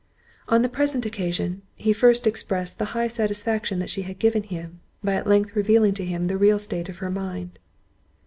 On the present occasion, he first expressed the high satisfaction that she had given him, by at length revealing to him the real state of her mind.